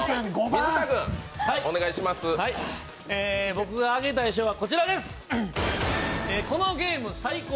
僕があげたい賞はこちらです。